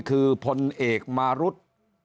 คือพลเอกมารุธ